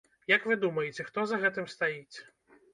Як вы думаеце, хто за гэтым стаіць?